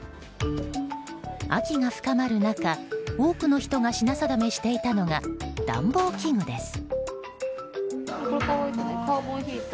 秋が深まる中多くの人が品定めしていたのが暖房器具です。